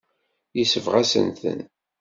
Yesbeɣ-asent-ten.